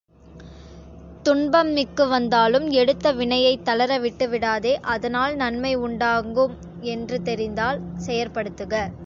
துன்பம் மிக்கு வந்தாலும் எடுத்த வினையைத் தளர விட்டுவிடாதே அதனால் நன்மை உண்டாகும் என்று தெரிந்தால் செயற்படுத்துக.